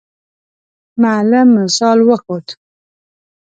معلم مثال وښود.